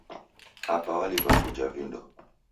Apa waliw'a kujha vindo.